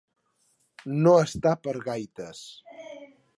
No estar per gaites.